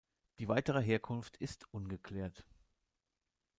Die weitere Herkunft ist ungeklärt.